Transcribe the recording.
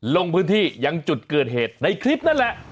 ลงพื้นที่ยังจุดเกิดเหตุในคลิปนั่นแหละ